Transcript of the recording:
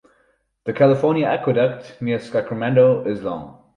The California Aqueduct, near Sacramento, is long.